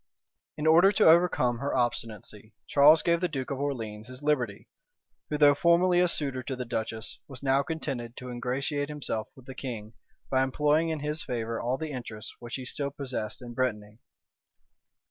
{1491.} In order to overcome her obstinacy, Charles gave the duke of Orleans his liberty; who, though formerly a suitor to the duchess, was now contented to ingratiate himself with the king, by employing in his favor all the interest which he still possessed in Brittany.